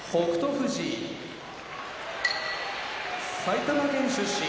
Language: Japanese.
富士埼玉県出身